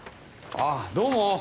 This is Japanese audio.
あっどうも！